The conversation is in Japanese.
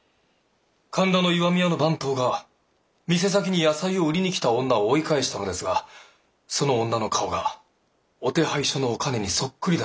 神田の石見屋の番頭が店先に野菜を売りに来た女を追い返したのですがその女の顔がお手配書のおかねにそっくりだったそうで。